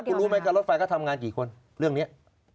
คุณรู้ไหมการรถไฟก็ทำงานกี่คนเรื่องนี้